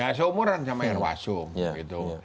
ya seumuran sama irwas sumi